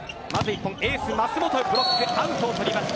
エース・舛本ブロックアウトを取りました。